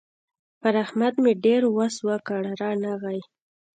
پر احمد مې ډېر وس وکړ؛ رانغی.